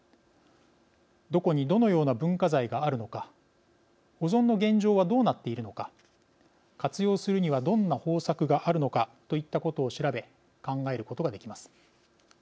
どこにどのような文化財があるのか保存の現状はどうなっているのか活用するにはどんな方策があるのかといったことを調べ考えることができます。